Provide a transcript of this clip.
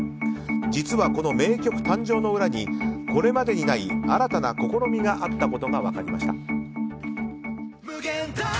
実はこの名曲誕生の裏にこれまでにない新たな試みがあったことが分かりました。